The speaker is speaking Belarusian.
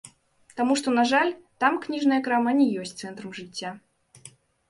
Таму што, на жаль, там кніжная крама не ёсць цэнтрам жыцця.